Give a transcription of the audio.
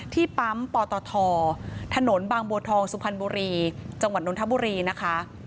ที่ปั๊มปตทถนนบางบัวทองสุพรรณบุรีจังหวัดนทบุรีนะคะ